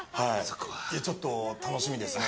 ちょっと楽しみですね。